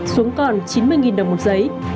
xuống còn chín mươi đồng một giấy